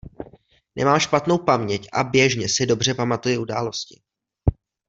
Nemám špatnou paměť a běžně si dobře pamatuji události.